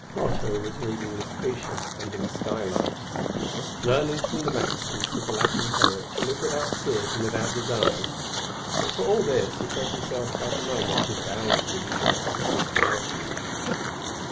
Brotteaux was reading Lucretius under the skylight, learning from the maxims of the Latin poet to live without fears and without desires; but for all this he felt himself at the moment devoured with regrets and disquietudes.